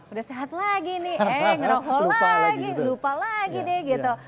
udah sehat lagi nih eh ngerokok lagi lupa lagi deh gitu